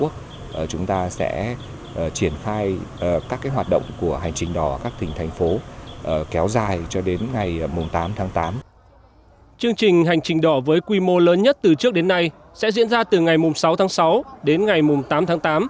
chương trình hành trình đỏ với quy mô lớn nhất từ trước đến nay sẽ diễn ra từ ngày sáu tháng sáu đến ngày tám tháng tám